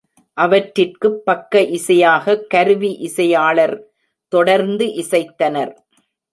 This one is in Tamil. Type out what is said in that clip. அவற்றிற்குப் பக்க இசையாகக் கருவி இசையாளர் தொடர்ந்து இசைத்தனர்.